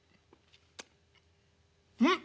「うん！